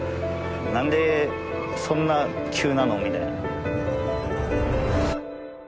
なんでそんな急なの？みたいな。